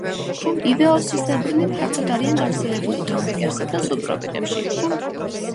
ივეოსისებრნი ფართოდ არიან გავრცელებული ტროპიკებსა და სუბტროპიკებში.